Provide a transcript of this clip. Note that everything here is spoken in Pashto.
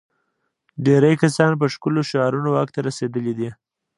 ډېری کسان په ښکلو شعارونو واک ته رسېدلي دي.